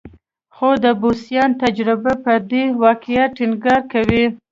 خو د بوسیا تجربه پر دې واقعیت ټینګار کوي.